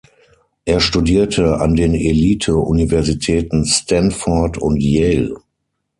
Er studierte an den Elite-Universitäten Stanford und Yale.